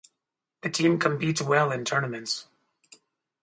The team competes well in tournaments.